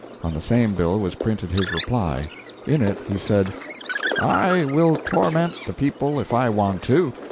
On the same bill was printed his reply. In it he said: "I will torment the people if I want to.